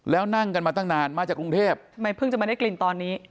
แล้วนั่งกันมาตั้งนานมาจากกรุงเทพทำไมเพิ่งจะมาได้กลิ่นตอนนี้